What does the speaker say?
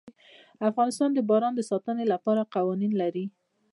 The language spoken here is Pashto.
افغانستان د باران د ساتنې لپاره قوانین لري.